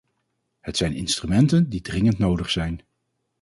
Het zijn instrumenten die dringend nodig zijn.